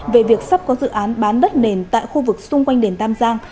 về việc sắp có dự án bán đất nền tại khu vực xung quanh đền tam giang